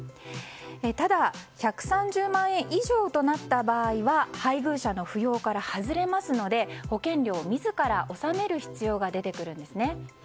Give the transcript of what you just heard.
ただ１３０万円以上となった場合配偶者の扶養から外れますので保険料を自ら納める必要が出てくるんですね。